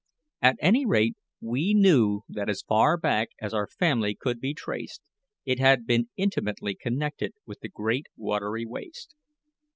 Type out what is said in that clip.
At any rate, we knew that as far back as our family could be traced, it had been intimately connected with the great watery waste.